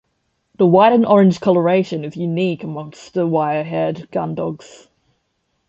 The white and orange coloration is unique amongst the wire-haired gun dogs.